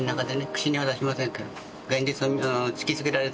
口には出しませんけれど。